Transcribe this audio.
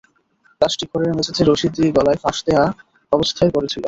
লাশটি ঘরের মেঝেতে রশি দিয়ে গলায় ফাঁস দেওয়া অবস্থায় পড়ে ছিল।